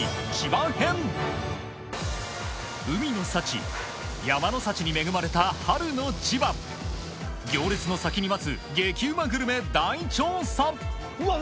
海の幸山の幸に恵まれた春の千葉行列の先に待つ激うまグルメ大調査うわ